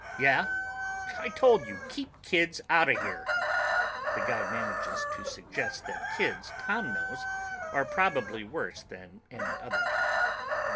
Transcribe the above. "Yeah? I told you, keep kids out of here!" The guy manages to suggest that kids Tom knows are probably worse than any other kind.